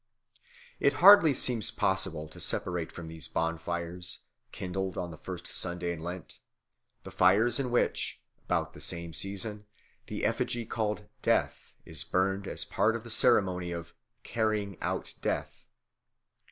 It seems hardly possible to separate from these bonfires, kindled on the first Sunday in Lent, the fires in which, about the same season, the effigy called Death is burned as part of the ceremony of "carrying out Death."